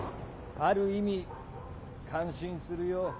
ある意味感心するよ。